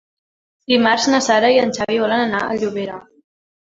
Dimarts na Sara i en Xavi volen anar a Llobera.